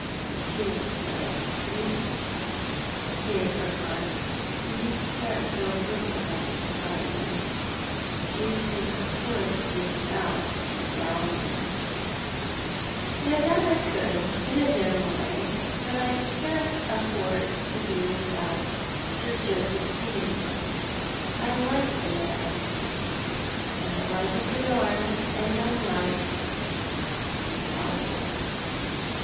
" But you are so exclusive," sneered Urquhart, " and you care so little about society. You could afford to do without the boundtrs." " No doubt I could in a general way, but I can't afford to do without Sir JoseiA Higginson. I like the man, and I like his cigars, and I like— his daughter."